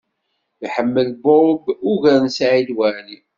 Iḥemmel Bob ugar n Saɛid Waɛli.